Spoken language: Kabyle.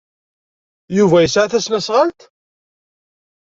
Yuba yesɛa tasnasɣalt?